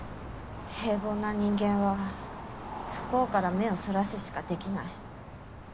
平凡な人間は不幸から目をそらすしかできない。